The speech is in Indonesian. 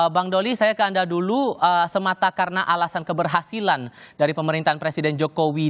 bang doli saya ke anda dulu semata karena alasan keberhasilan dari pemerintahan presiden jokowi